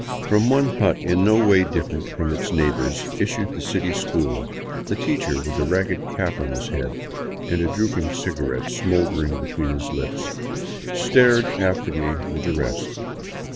From one hut in no way different from its neighbors issued the city school, the " teacher " with a ragged cap on his head and a drooping cigarette smouldering between his lips, to stare after me with the rest.